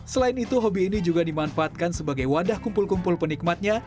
selain itu hobi ini juga dimanfaatkan sebagai wadah kumpul kumpul penikmatnya